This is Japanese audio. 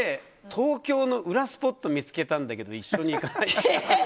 東京の裏スポッと見つけたんだけど一緒に行かない？って。